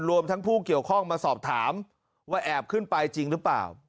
รวมทั้งผู้เกี่ยวข้องมาสอบถามว่าแอบขึ้นไปจริงหรือเปล่า